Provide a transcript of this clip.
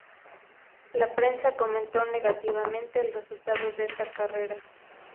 La prensa comentó negativamente el resultado de esta carrera.